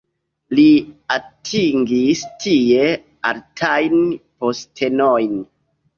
Li atingis tie altajn postenojn.